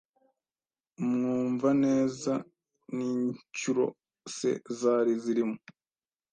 Mwumvaneza:N’incyuro se zari zirimo?